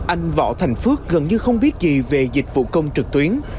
anh võ thành phước gần như không biết gì về dịch vụ công trực tuyến